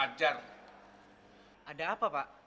kata kita sahabatan baik